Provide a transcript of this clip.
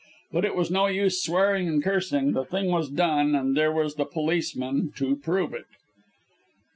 But it was no use swearing and cursing, the thing was done, and there was the policeman to prove it.